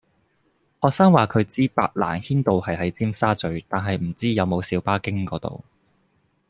學生話佢知白蘭軒道係喺尖沙咀，但係唔知有冇小巴經嗰度